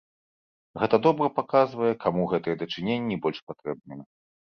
Гэта добра паказвае, каму гэтыя дачыненні больш патрэбныя.